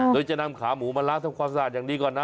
โดยจะนำขาหมูมาล้างทำความสะอาดอย่างดีก่อนนะ